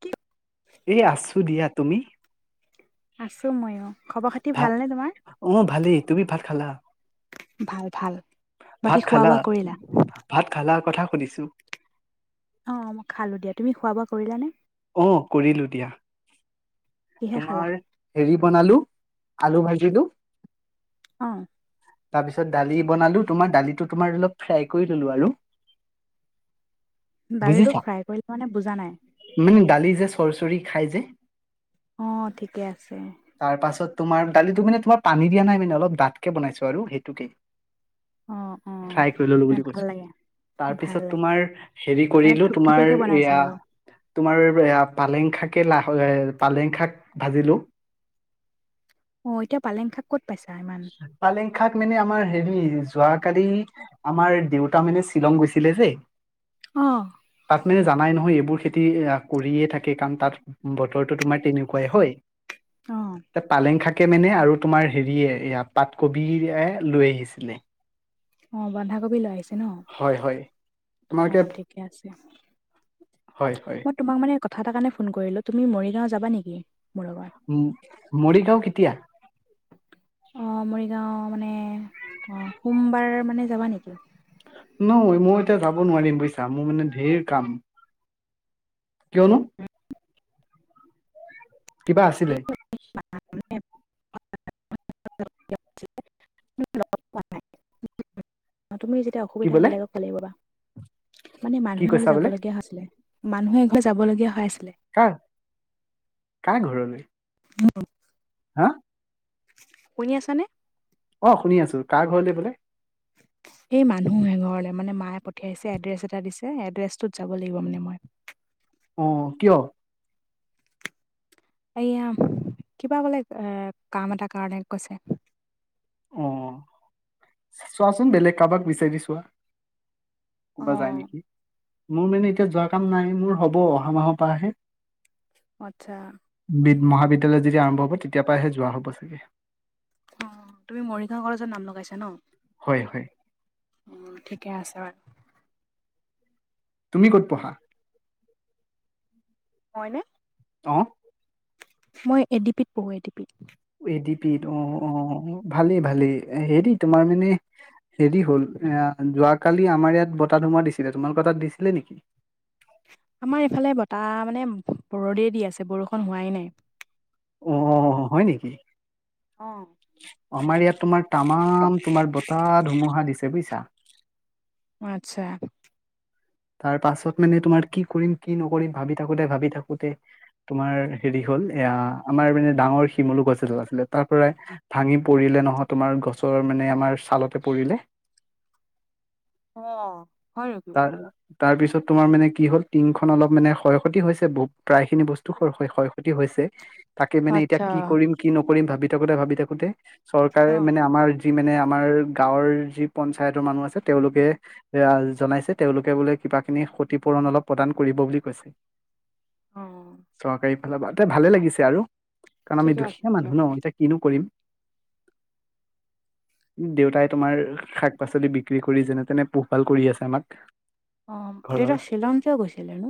কি? এই আছো দিয়া তুমি? আছো মইয়ো। খবৰ খাতি ভাত ভালনে তোমাৰ? অ ভালেই। তুমি ভাত খালা? ভাল ভাল। ভাত বাকী খোৱা খালা বোৱা কৰিলা? ভাত খালাৰ কথা সুধিছো? অ' মই খালো দিয়া। তুমি খোৱা বোৱা কৰিলা নে? অ'কৰিলো দিয়া। কিহে খালা? তোমাৰ হেৰি বনালো, আলু ভাজিলো অঁ তাৰ পিছত দালি বনালো তোমাৰ, দালিটো তোমাৰ অলপ ফ্ৰাই কৰি ললো আৰু। দালিটো ফ্ৰাই কৰিলা মানে, বুজা নাই? উম দালি যে চৰ্চৰি খাই যে অঁ ঠিকে আছে। তাৰ পাছত তোমাৰ দালিটো মানে তোমাৰ পানী দিয়া নাইা মানে অলপ দাঠকে বনাইছো আৰু সেইটোকে। অ অ ফ্ৰাই কৰি ললো মানে বুলি ভাল কৈছো। লাগে ভাল তাৰপিছত লাগে তোমাৰ হেৰি মানে কৰিলো, তোমাৰ থুপথুপিয়াকে বনাইছে আৰু এয়া তোমাৰ পালেং শাকে লা পালেং শাক ভাজিলো। অ' এতিয়া পালেং শাক ক'ত পাইছা ইমা পালেং শাক মানে আমাৰ হেৰি যোৱাকালি আমাৰ দেউতা মানে শ্বিলং গৈছিলে যে অঁ তাত মানে জানাই নহয় এইবোৰ খেতি কৰিয়ে থাকে কাম তাত বতৰটো তোমাৰ তেনেকুৱাই হয় অ এ পালেং শাকে মানে আৰু তোমাৰ হেৰিয়ে পাতকবি লৈ আহিছিলে।। অ বন্ধাকবি লৈ আহিছে ন। হয় হয় তোমাৰ অ ঠিকে আছে হয় হয়। মই তোমাক মানে কথা এটা কাৰণে ফোন কৰিলো। তুমি মৰিগাঁও যাবা নেকি মোৰ লগত? উ মৰিগাঁও কেতিয়া? অঁ মৰিগাঁও মানে, অঁ সোমবাৰ মানে যাবা নেকি? নই মই এতিয়া যাব নোৱাৰিম বুজিছা, মোৰ মানে ঢেৰ কাম। কিয়নো। কিবা আছিলে? [unintelligible] ন তুমি যেতিয়া কি অসুবিধা বোলে বেলেগক পালিবা। মানে কি মানুহৰ ঘৰ কৈছা যাব বোলে লগীয়া হৈছিলে মানুহে এ ঘৰ যাব লগীয়া হৈ আছিলে। কাৰ কাৰ ঘৰলৈ। উ। হা। শুনি আছানে। অ শুনি আছো কাৰ ঘৰলে বোলে। [unintelligible] এই মানুহে‌এ ঘৰলৈ মানে মায়ে পঠিয়াইছে এড্ৰেছ এটা দিছে এড্ৰেছটোত যাব লাগিব মানে মই। অ কিয়? এয়া কিবা বোলে এই কাম এটা কাৰণে কৈছে। অ চোৱাচোন বেলেগ কাৰোবাক বিচাৰি চোৱা? অ ক'বা যায় নেকি মোৰ মানে এতিয়া যোৱা কাম নাই মোৰ হ'ব অহা মাহৰ পৰাহে। আচ্ছা। বিদ মহাবিদ্যালয় যদি আৰম্ভ হ'ব তেতিয়াৰ পৰাহে যোৱা হ'ব চাগে। অ তুমি মৰিগাঁও কলেজত নাম লগাইছা ন। হয় হয়। অ ঠিকে আছে বাৰু। তুমি ক'ত পঢ়া? মইনে? অ। মই এ ডি পিত পঢ়োঁ এ ডি পিত। এডি পিত অ অ ভালেই ভালেই এডি তোমাৰ মানে। হেৰি হ'ল এ যোৱাকালি আমাৰ ইয়াত বতাহ ধুমুহা দিছিলে তোমালোকৰ তাত দিছিলে নেকি? আমাৰ এইফালে বতাহ মানে বৰদ দি আছে বৰষুণ হোৱাই নাই। অ অ অ হয় নেকি? অ। আমাৰ ইয়াত তোমাৰ তামাম তোমাৰ বতাহ ধুমুহা দিছে বুজিছা। আচ্ছা। তাৰ পাছত মানে তোমাৰ কি কৰিম কি নকৰিম ভাবি থাকোতে ভাবি থাকোতে। তোমাৰ হেৰি হ'ল এ আমাৰ মানে ডাঙৰ শিমলু গছ এডাল আছিলে তাৰ পৰাই। ভাঙি পৰিলে নহয় তোমাৰ গছৰ মানে আমাৰ ছালতে পৰিলে। অ হয় নেকি। তাৰপিছত তোমাৰ মানে কি হ'ল টিংখন অলপ মানে ক্ষয় ক্ষতি হৈছে বু প্ৰায় খিনি বস্তু ক্ষৰ ক্ষতি। ক্ষকি হৈছে তাকে মানে এতিয়া আচ্ছা। কি কৰিম কি নকৰিম ভাবি থাকোতে ভাবি থাকোতে চৰকাৰে অ', মানে আমাৰ যি মানে আমাৰ গাঁৱৰ যি পঞ্চায়তৰ মানুহ আছে তেওঁলোকে জনাইছে তেওঁলোকে বোলে কিবা খিনি ক্ষতিপূৰণ অলপ প্ৰদান কৰিব বুলি কৈছে অ' চৰকাৰী অলপ ভালে লাগিছে আৰু কাৰণ আমি ঠিকে আছে, দুখীয়া ঠিকে মানুহ ন আছে। এতিয়া কিনো কৰিম [inaudible] দেউতাই তোমাৰ শাক-পাচলি বিক্ৰী কৰি যেনে তেনে পোহপাল কৰি আছে আমাক অঁ ঘৰৰ দেতা শ্বিলং কিয় গৈছিলে নো?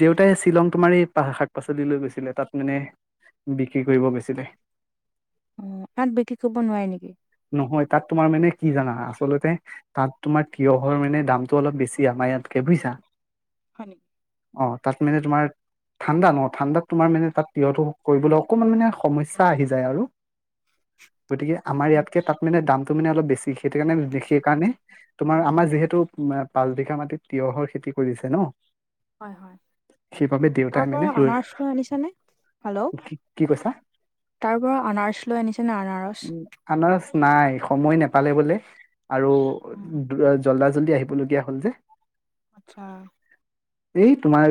দেউতাই শ্বিলং তোমাৰ এই শাক-পাচলি লৈ গৈছিলে তাত মানে বিক্ৰী কৰিব গৈছিলে অ এয়াত বিক্ৰী কইব নোৱায় নেকি নহয় তাত তোমাৰ মানে কি জানা আচলতে তাত তোমাৰ তিঁয়হৰ মানে দামটো অলপ বেছি আমাৰ ইয়াতকে বুইছা হয়নেকি অ তাত মানে তোমাৰ ঠাণ্ডা ন ঠাণ্ডাত তোমাৰ মানে তাত তিঁয়হটো কৰিবলৈ অকমান মানে সমস্যা আহি যায় আৰু গতিকে আমাৰ ইয়াতকে তাত মানে দাম টো মানে অলপ বেছি সেইটো কাৰণে সেইকাৰণে তোমাৰ আমাৰ যিহেতু পাঁচ বিঘা মাটিত তিঁয়হৰ খেতি কৰিছে ন হয় হয় সেইবাবে দেউতাই মানে তাৰপৰা লৈ আনাৰছটো আনিছানে হেল্ল' কি কি কৈছা? তাৰ পৰা আনাৰচ লৈ আনিছে নাই আনাৰচ উম, আনাৰস নাই সময় নাপালে বোলে আৰু অ', জল্দা জল্দি আহিবলগীয়া হ'ল যে আটচ্ছা এই তোমাৰ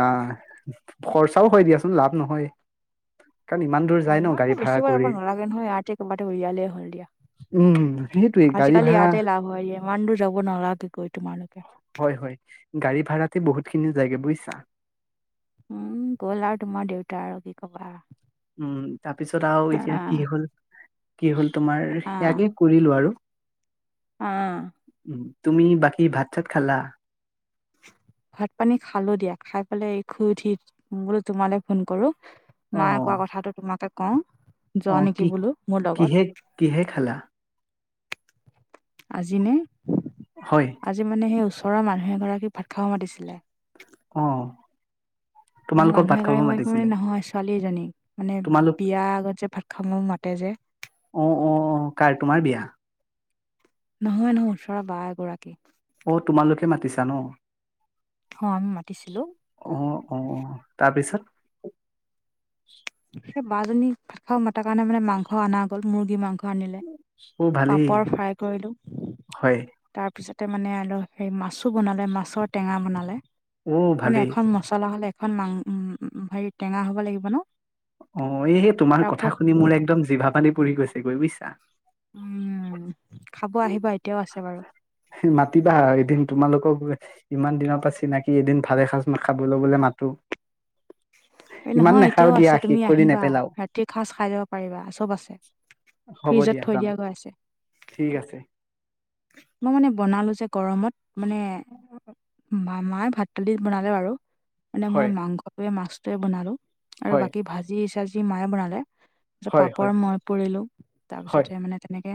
আহ খৰচাও হয় দিয়াচোন লাভ নহয় কাৰণ ইমান দূৰ অ যায় ন ইমানতো গাড়ী ভাড়া বেছিব যাব কৰি নালাগে নহয় আৰ্থিক কিবা এটা উলিয়ালেই হ'ল দিয়া উম সেইটোৱেই গাড়ী আজিকালি ভাড়া ইয়াতে লাভ হয় দিয়া ইমান দূৰ যাব নালাগে গৈ তোমালোকে হয় হয় গাড়ী ভাড়াতে বহুত খিনি যায়গে বুজিইছা উম গ'ল আৰু তোমাৰ দেউতা আৰু কি ক'বা উম তাৰ পিছত আৰু এতিয়া কি আহ, হ'ল কি হ'ল তোমাৰ সেয়াকে কৰিলোঁ আৰু অ তুমি বাকী ভাত-চাত খালা? ভাত-পানী খালোঁ দিয়া খাই পেলাই শুই উঠি বোলো তোমালে ফোন কৰোঁ অ মায়ে কোৱা কথাটো তোমাকে কওঁ অ যোৱা নেকি কি বোলো মোৰ কিহে লগত কিহে খালা? আজিনে? হয় আজি মানে সেই ওচৰৰ মানুহ এগৰাকী ভাত খাব মাতিছিলে অ মানে তোমালোকক মানুহ ভাত খাব এগৰাকী বুলি মাতিছিলে নহয় ছোৱালী এজনী মানে তোমালোক বিয়া আগত যে ভাত খাব মাতে যে অ অ, কাৰ তোমাৰ বিয়া? নহয় নহয় ওচৰৰ বা এগৰাকী অ তোমালোকে মাতিছা ন হয় আমি মাতিছিলো অ অ অ তাৰপিছত সেই বা জনীক মাতাৰ কাৰণে মানে মাংস অনা গ'ল মুৰ্গী মাংস আনিলে অ ভালেই পাপৰ ফ্ৰাই কৰিলো হয় তাৰপিছতে মানে আৰু হে মাছো বনালে মাছৰ টেঙা বনালে অ মানে ভালেই এখন মচলা হ'লে এখন মাং উ হেৰি টেঙা হ'ব লাগিব ন অ এই তোমাৰ কথা তাৰপিছত শুনি মোৰ একদম জিভা পানি পঢ়ি গৈছেগে বুজিছা উম খাব আহিবা এতিয়াও আছে বাৰু মাতিবা এদিন তোমালোকক ইমান দিনৰ পৰা চিনাকি এদিন ভালে সাজ খাবলৈ গলে মাতো এই ইমান নহয় নাখাও এতিয়াও দিয়া আছে তুমি শেষ কৰি আহিবা নেপেলাও ৰাতিৰ সাজ খাই যাব পাৰিবা চব আছে হ'ব ফ্ৰিজত থৈ যাম দিয়া গৈ আছে ঠিক আছে মই মানে বনালো যে গৰমত মানে মামাই ভাত পানী বনালে বাৰু মানে মই হয় মাংসটোৱে মাছটোৱে বনালো আৰু হয় বাকী ভাজি চাজি মায়ে বনালে হয় পাপৰ হয় মই পুৰিলো হয় তাৰপিছতে মানে তেনেকে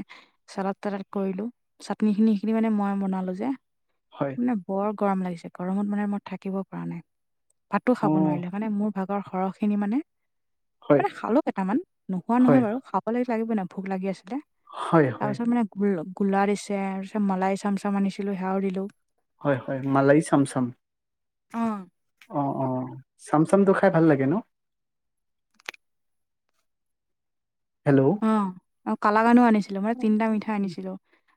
চালাদ তালাদ কৰিলো চাটনিখিনি সেইখিনি মানে মই বনালো যে হয় এ বৰ গৰম লাগিছে গৰমত মানে মই থাকিব পৰা নাই ভাতো অ খাব নোৱাৰিলো মানে মোৰ ভাগৰ সৰহখিনি মানে হয় মানে খালো কেইটামান নোখোৱা হয় নহয় বাৰু খ অ লাগিব নাই ভোক লাগি আছিলে হয় হয় তাৰপাছত মানে গোল গোলা দিছে তাৰপিছত মলাই চাম চাম আনিছিলো সেৱাও দিলো হয় হয় মালাই চাম চাম অ অ অ চাম চামটো খাই ভাল লাগে ন হেল্ল' অ আও কালা গানো আনি ছিলো মানে তিনটা মিঠাই আনিছিলো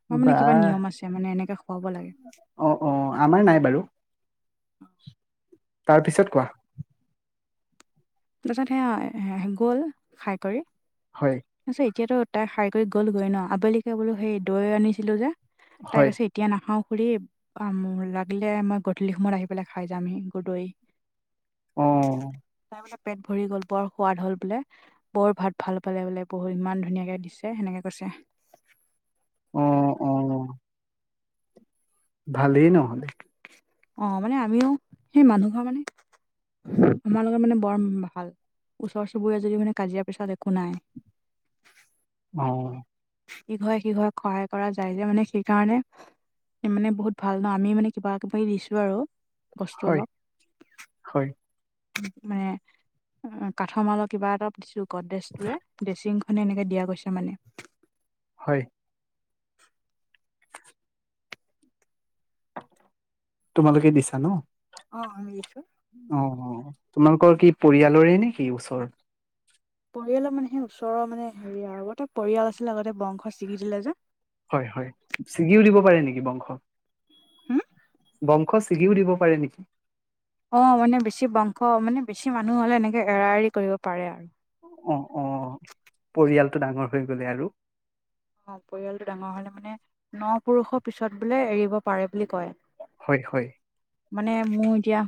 মই মানে বা কিবা নিয়ম আছে মানে এনেকে খুৱাব লাগে অ অ আমাৰ নাই বাৰু অ তাৰপিছত কোৱা তাৰপাছত সেয়া গ'ল খাই কৰি হয় আছে এতিয়াতো তাইক হাৰি কৰি গ'লগৈ ন আবেলিকে বোলো সেই দৈ আনিছিলো যে তাই হয় কৈছে এতিয়া নাখাও খুৰি লাগিলে মই গধূলি সময়ত আহি পেলাই খাই যামহি গদৈ অ তাৰপিছত পেট ভৰি গ'ল বৰ সোৱাদ হ'ল বোলে বৌৰ ভাত ভাল পালে বোলে বৌয়ে ইমান ধুনীয়াকে দিছে সেনেকে কৈছে অ অ অ ভালেই নহ'লে অ মানে আমিও সেই মানুহ ঘৰ মানে আমাৰ লগত মানে বৰ ভাল ওচৰ চুবুৰীয়া যদিও মানে কাজিয়া পেছাল একো নাই অ ইঘ সিঘই সহায় কৰা যায় যে মানে সেইকাৰণে মানে বহুত ভাল ন আমি মানে কিবা কিবি দিছো আৰু বস্তু হয় অলপ হয় মানে কাঠমালৰ কিবা এটা দিছো গড্ৰেজটোৱে ডেচিং মানে এনেকে দিয়া গৈছে মানে হয় তোমালোকে দিছা ন অ দিছো অ অ তোমালোকৰ কি পৰিয়ালৰে নে কি ওচৰ পৰিয়ালৰ মানে সেই ওচৰৰ মানে হেৰি আৰু গোটেই পৰিয়াল আছিলে আগতে বংশ ছিগি দিলে যে হয় হয় ছিগিও দিব পাৰে নেকি বংশ হুম বংশ ছিগিও দিব পাৰে নেকি অ' মানে বেছি বংশ মানে বেছি মানুহ হ'লে এনেকে এৰা এৰি কৰিব পাৰে অ অ পৰিয়ালটো ডাঙৰ হৈ গ'লে আৰু। অ' পৰিয়ালটো ডাঙৰ হ'লে মানে ন' পুৰুষৰ পিছত বোলে এৰিব পাৰে বুলি কয়। হয় হয়। মানে মোৰ এতিয়া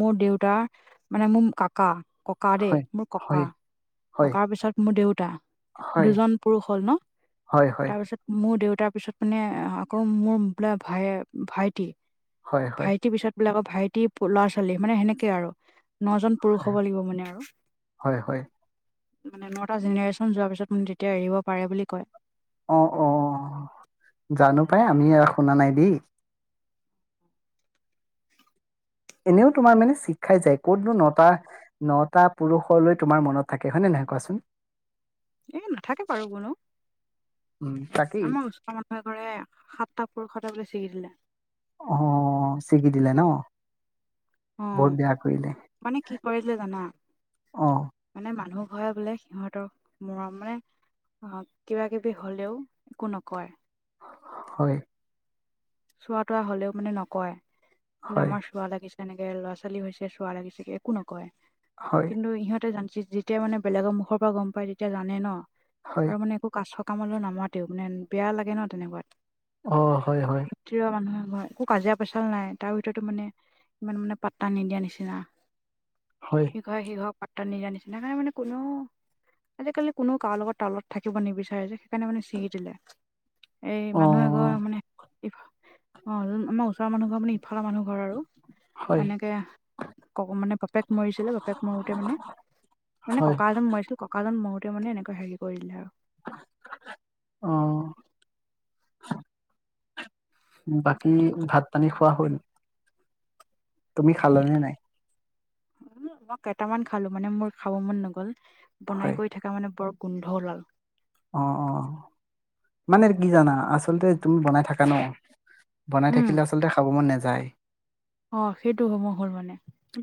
মোৰ দেউতাৰ মানে মোৰ কাকা। ককা দেই হয় মোৰ ককা হয় ককাৰ পিছত মোৰ দেউতা হয় দুজন পুৰুষ সম্পূৰ্ণ তাৰ হয় হয় তাৰপিছত মোৰ দেউতাৰ পিছত মানে আকৌ মোৰ বোলে ভাইয়া ভাইটি হয় হয় হয় ভাইটিৰ পিছত বোলে আকৌ ভাইটি ল'ৰা ছোৱালী মানে সেনেকে আৰু নজন পুৰুষ হয় হ'ব লাগিব মানে আৰু হয় হয় মানে নটা জেনেৰেচন যোৱাৰ পিছত তেতিয়া এৰিব পাৰে বুলি কয় অ অ অ জানো পাই আমি ইয়াক শুনা নাই দেই এনেও তোমাৰ মানে শিক খাই যায় কতনো নটা নটা পুৰুষলৈ তোমাৰ মনত থাকে হয়নে নাই কোৱাচোন। এই নাথাকে বাৰু কোনো উম তাকেই আমাৰ ওচৰ মানুহ মানুহ এঘৰে সাতটা পুৰুষটে বোলে ছিগিছিল অহ ছিগি দিলে ন অ' বহুত বেয়া কৰিলে মানে কি কৰিলে জানা। অ মানে মানুহ ঘৰে বোলে সিহঁতৰ মৰম মানে। অ' কিবা কিবি হ'লেও একো নকয়। হয়। চোৱা তোৱা হ'লেও মানে নকয় বোলে হয় আমাৰ চোৱা লাগিছে এনেকে ল'ৰা ছোৱালী হৈছে চোৱা লাগিছে একো নকয়। হয়। কিন্তু ইহঁতে জানছি যেতিয়া মানে বেলেগৰ মুখৰ পৰা গ'ম পাই তেতিয়া জানে ন' হয় আৰু মানে একো কাথক কামলৈ নামাতেও মানে বেয়া লাগে ন তেনেকুৱাত। অ' হয় হয়। [unintelligible] একো কাজিয়া পেচাল নাই তাৰ ভিতৰতে মানে ইমান মানে পাত্তা নিদিয়া নিচিনা। হয়। ইঘৰে সিঘৰক পাত্তা নিদিয়া নিচিনা কাৰণ মানে কোনেৱেও আজিকালি কোনেও কাৰো লগত তলত থাকিব নিবিচাৰে যে সেইকাৰণে মানে ছিঙি দিলে। এই অ মানুহ এঘৰ মানে ইঘ অ' আমাৰ ওচৰৰ মানুহ ঘৰ মানে ইফালৰ মানুহ ঘৰ আৰু। হয় এনেকে ক মানে বাপেক মৰিছিলে বাপেক মৰোতে মানে মানে হয় ককা এজন মৰিছিল ককা মৰোতে মানে এনেকুৱে হেৰি কৰি দিলে আৰু। অ। বাকী ভাত পানী খোৱা হ'ল? তুমি খালা নে নাই? উম মই কেইটামান খালো মানে মোৰ খাব মন নগ'ল, হয় বনাই গৈ থকা মানে বৰ গোন্ধ ওলাল অ অ মানে কি জানা আচলতে তুমি বনাই থাকা ন বনাই উম থাকিলে আচলতে খাব মন নাযায়। অ সেইটো হব হ'ল মানে। একদম